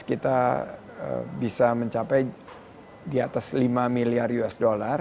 kita bisa mencapai di atas lima miliar usd